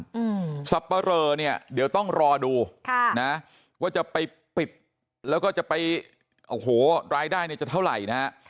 อืมสับปะเรอเนี้ยเดี๋ยวต้องรอดูค่ะนะว่าจะไปปิดแล้วก็จะไปโอ้โหรายได้เนี่ยจะเท่าไหร่นะฮะ